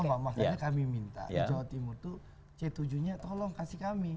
iya makanya kami minta di jawa timur itu c tujuh nya tolong kasih kami